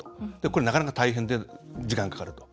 これは、なかなか大変で時間がかかると。